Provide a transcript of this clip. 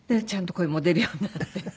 声も出るようになって？